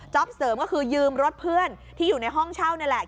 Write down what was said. เสริมก็คือยืมรถเพื่อนที่อยู่ในห้องเช่านี่แหละ